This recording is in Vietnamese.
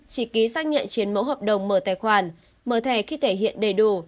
chỉ ký xác nhận chiến mẫu hợp đồng mở tài khoản mở thẻ khi thể hiện đầy đủ